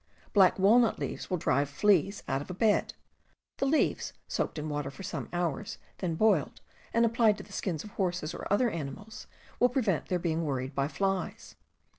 Black walnut leaves will drive fleas out of a bed; the leaves, soaked in water for some hours, then boiled, and applied to the skins of horses or other animals, will prevent their being worried by flies.